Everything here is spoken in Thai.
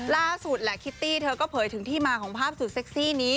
ล่าสุดแหละคิตตี้เธอก็เผยถึงที่มาของภาพสุดเซ็กซี่นี้